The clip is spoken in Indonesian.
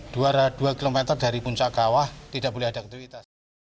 dua kilometer dari puncak gawah tidak boleh ada aktivitas